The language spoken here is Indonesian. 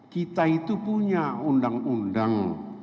kita itu punya undang undang